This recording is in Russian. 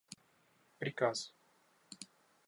приказ